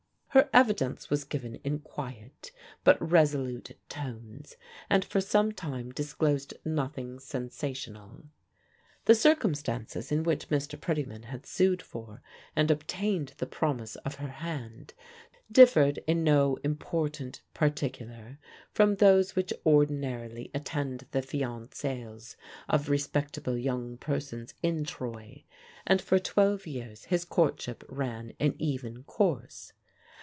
Her evidence was given in quiet but resolute tones, and for some time disclosed nothing sensational. The circumstances in which Mr. Pretyman had sued for and obtained the promise of her hand differed in no important particular from those which ordinarily attend the fiancailles of respectable young persons in Troy; and for twelve years his courtship ran an even course.